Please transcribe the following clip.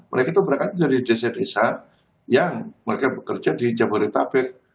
mereka itu berangkat dari desa desa yang mereka bekerja di jabodetabek